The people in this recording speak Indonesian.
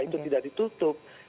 itu tidak ditutup